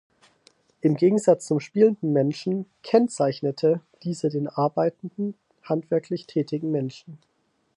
Im Gegensatz zum „Spielenden Menschen“ kennzeichnete diese den „arbeitenden, handwerklich tätigen Menschen“.